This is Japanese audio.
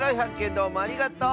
どうもありがとう！